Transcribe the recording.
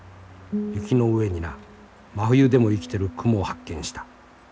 雪の上にな真冬でも生きてるクモを発見した』。